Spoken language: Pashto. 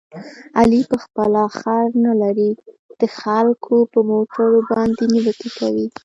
علي په خپله خر نه لري، د خلکو په موټرو باندې نیوکې کوي.